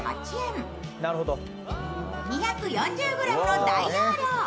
２４０ｇの大容量。